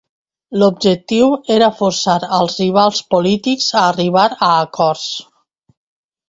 L'objectiu era forçar als rivals polítics a arribar a acords.